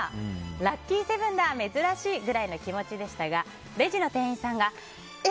ラッキー７だ珍しいぐらいの気持ちでしたがレジの店員さんがえ！